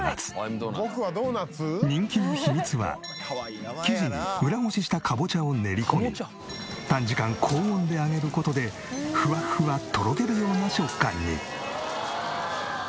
人気の秘密は生地に裏ごししたカボチャを練り込み短時間高温で揚げる事でふわふわとろけるような食感に。